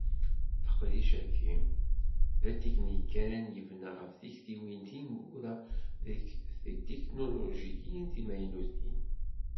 Leqdic-agi, d atiknikan yebna ɣef tiktiwin tineggura deg tetiknulujiyin timaynutin.